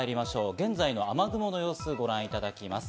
現在の雨雲の様子をご覧いただきます。